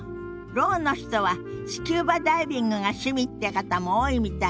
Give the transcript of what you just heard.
ろうの人はスキューバダイビングが趣味って方も多いみたいなの。